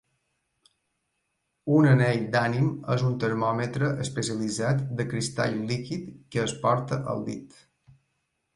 Un anell d'ànim és un termòmetre especialitzat de cristall líquid que es porta al dit.